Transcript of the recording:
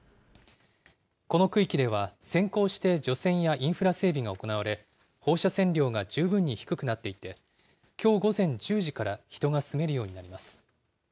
この区域では先行して除染やインフラ整備が行われ、放射線量が十分に低くなっていて、きょう午前１０時から人が住めるようになります。